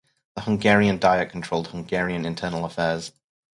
The Hungarian Diet controlled Hungarian internal affairs.